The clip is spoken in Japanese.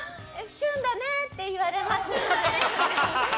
旬だねって言われます。